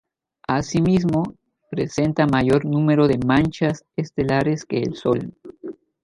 Asimismo, presenta mayor número de manchas estelares que el Sol.